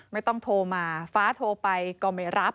ไม่ต้องโทรมาฟ้าโทรไปก็ไม่รับ